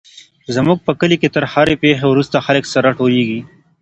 زموږ په کلي کي تر هرې پېښي وروسته خلک سره ټولېږي.